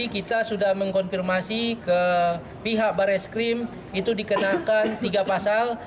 kita mengkonfirmasi ke pihak baris krim itu dikenakan tiga pasal